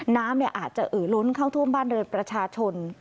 น้ำอาจจะเอ่อล้นเข้าท่วมบ้านเรือนประชาชน